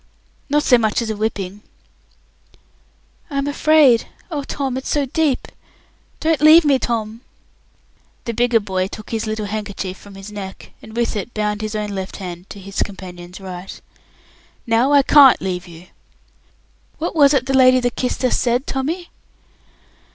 "Not so much as a whipping." "I'm afraid! Oh, Tom, it's so deep! Don't leave me, Tom!" The bigger boy took his little handkerchief from his neck, and with it bound his own left hand to his companion's right. "Now I can't leave you." "What was it the lady that kissed us said, Tommy?"